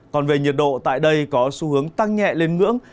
còn về nhiệt độ tại đây có xu hướng tăng nhẹ lên ngưỡng